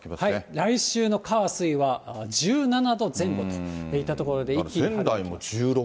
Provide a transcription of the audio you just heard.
来週の火、水は１７度前後といったところで、一気に。